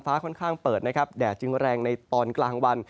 ฟ้าค่อนข้างเปิดแดดจึงแรงในตอนกลางวัน